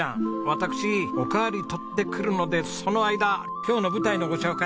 私おかわり取ってくるのでその間今日の舞台のご紹介